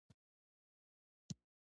پرانیستي بنسټونه د هغو هڅو مخنیوی کوي.